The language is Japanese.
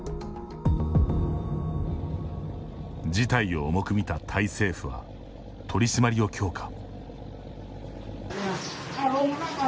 事態を重く見たタイ政府は取り締まりを強化。